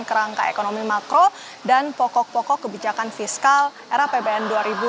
kerangka ekonomi makro dan pokok pokok kebijakan fiskal era pbn dua ribu dua puluh